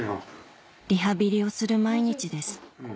リハビリをする毎日です